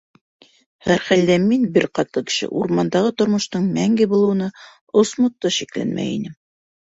Һәр хәлдә, мин, бер ҡатлы кеше, урмандағы тормоштоң мәңге булыуына осмот та шикләнмәй инем.